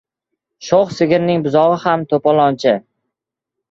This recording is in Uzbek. • Sho‘x sigirning buzog‘i ham to‘polonchi.